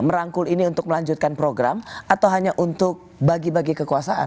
merangkul ini untuk melanjutkan program atau hanya untuk bagi bagi kekuasaan